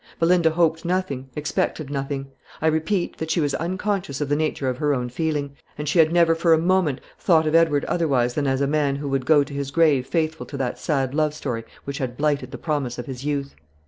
Belinda hoped nothing, expected nothing. I repeat, that she was unconscious of the nature of her own feeling; and she had never for a moment thought of Edward otherwise than as a man who would go to his grave faithful to that sad love story which had blighted the promise of his youth.